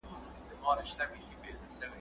ټوله یې ګوري، قتل عام یې بولي